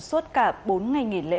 suốt cả bốn ngày nghỉ lễ